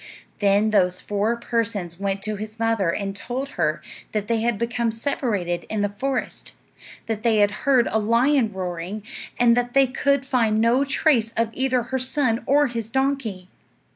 Then those four persons went to his mother and told her that they had become separated in the forest, that they had heard a lion roaring, and that they could find no trace of either her son or his donkey.